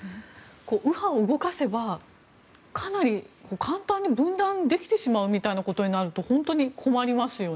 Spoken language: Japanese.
右派を動かせばかなり簡単に分断できてしまうみたいなことになると本当に困りますよね。